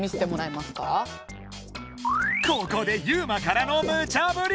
ここでユウマからのむちゃブリ！